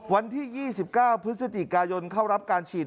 วันที่ยี่สิบเก้าพฤศจิกายนเข้ารับการฉีด